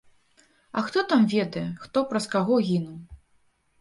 А хто там ведае, хто праз каго гінуў?